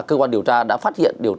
cơ quan điều tra đã phát hiện